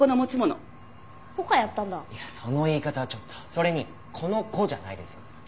それに「この子」じゃないですよ。